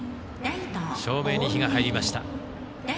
照明に火が入りました。